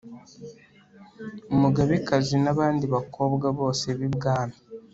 umugabekazi n'abandi bakobwa bose b'ibwami